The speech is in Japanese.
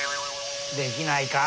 できないかあ。